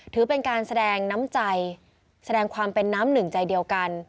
ถือเป็นการแสดงน้ำใจแสดงความเป็นน้ำหนึ่งใจเดียวกัน